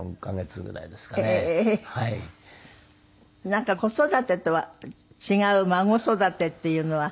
なんか子育てとは違う孫育てっていうのは。